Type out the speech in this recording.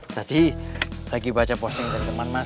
tadi lagi baca posting dari teman mas